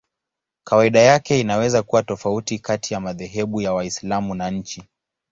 Kawaida yake inaweza kuwa tofauti kati ya madhehebu ya Waislamu na nchi.